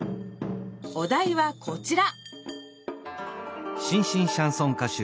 おだいはこちら！